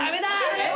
えっ！？